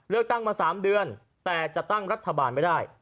เลือกตั้งมา๓เดือนแต่จะตั้งรัฐบาลไม่ได้